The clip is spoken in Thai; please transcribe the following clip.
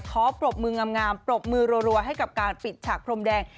ปรบมืองามปรบมือรัวให้กับการปิดฉากพรมแดง